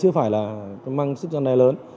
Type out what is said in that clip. chưa phải là công an sức dân đài lớn